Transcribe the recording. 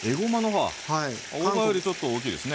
大葉よりちょっと大きいですね。